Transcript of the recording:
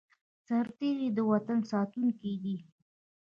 سرتیری د وطن ساتونکی دی